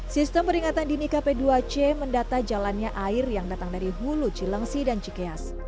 sistem peringatan dini kp dua c mendata jalannya air yang datang dari hulu cilengsi dan cikeas